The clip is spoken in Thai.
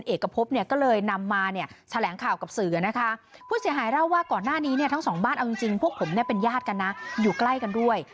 เอาจริงพวกผมเป็นญาติกันนะอยู่ใกล้กันด้วย